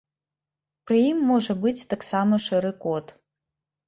Пры ім можа быць таксама шэры кот.